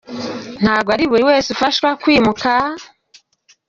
Ntabwo ari buri wese ufashwa kwimuka… .